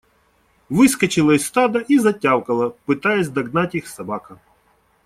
Выскочила из стада и затявкала, пытаясь догнать их, собака.